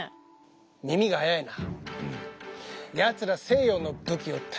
耳が早いな。